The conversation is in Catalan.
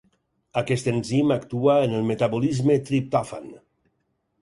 Aquest enzim actua en el metabolisme triptòfan.